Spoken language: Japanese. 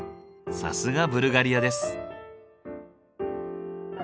さすがブルガリアです。